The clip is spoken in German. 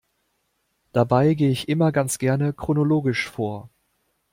Dabei gehe ich immer ganz gerne chronologisch vor.